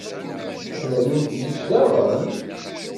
Ad rnun fell-i cclaɣem?